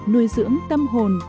nuôi dưỡng tâm hồn